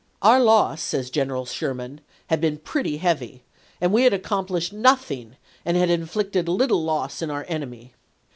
Our loss," says General Sherman, " had been pretty heavy, and we n>id. had accomplished nothing and had inflicted little loss on our enemy."